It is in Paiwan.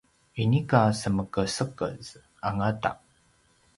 inika semekesekez angata